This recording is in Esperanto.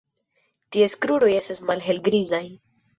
Ties kruroj estas malhelgrizaj.